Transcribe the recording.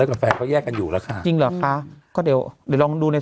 กับแฟนเขาแยกกันอยู่แล้วค่ะจริงเหรอคะก็เดี๋ยวเดี๋ยวลองดูใน